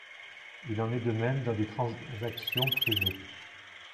Il en est de même dans des transactions privées.